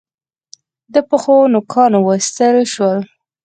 د پښو نوکان و ایستل شول.